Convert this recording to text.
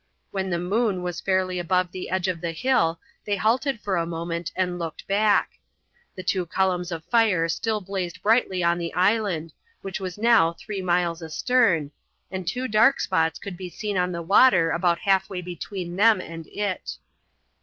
When the moon was fairly above the edge of the hill they halted for a moment and looked back. The two columns of fire still blazed brightly on the island, which was now three miles astern, and two dark spots could be seen on the water about halfway between them and it.